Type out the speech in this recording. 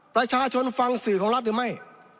ประชาชนฟังสื่อของรัฐหรือไม่